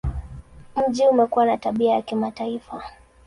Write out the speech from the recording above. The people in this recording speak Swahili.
Mji umekuwa na tabia ya kimataifa.